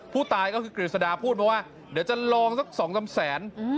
ผู้ตายก็คือกฤษฎาพูดมาว่าเดี๋ยวจะลองสัก๒๓แสน